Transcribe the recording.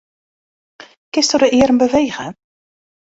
Kinsto de earm bewege?